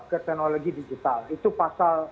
ke teknologi digital itu pasal